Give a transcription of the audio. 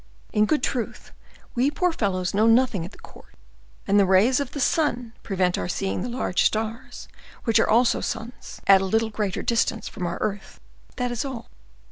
In good truth, we poor fellows know nothing at the court, and the rays of the sun prevent our seeing the large stars, which are also suns, at a little greater distance from our earth,—that is all."